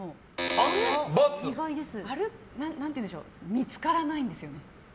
見つからないんですよね。